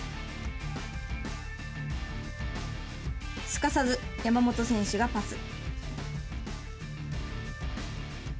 すかさず山本選手がパス。